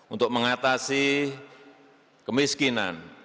untuk mengatasi kemiskinan